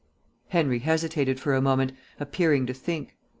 Henry hesitated for a moment, appearing to think.